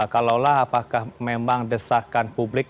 kalaulah apakah memang desakan publik